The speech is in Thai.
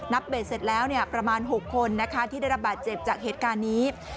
เบสเสร็จแล้วประมาณ๖คนที่ได้รับบาดเจ็บจากเหตุการณ์นี้